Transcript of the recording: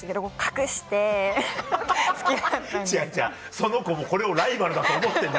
その子もこれをライバルだと思ってない。